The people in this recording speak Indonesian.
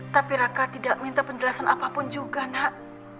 tapi raka tidak minta penjelasan apapun juga nak